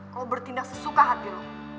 kalo bertindak sesuka hati lo